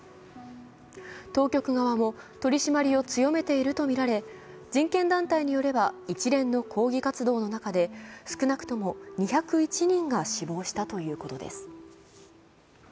当局側も取り締まりを強めているとみられ、人権団体によれば一連の抗議活動の中で少なくとも２０１人が死亡したということです。